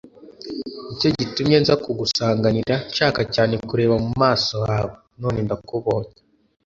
ni cyo gitumye nza kugusanganira, nshaka cyane kureba mu maso hawe, none ndakubonye